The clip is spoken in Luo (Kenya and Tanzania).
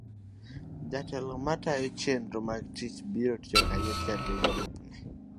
jatelo matayo chenro mag tich biro tiyo kanyachiel gi jalupne.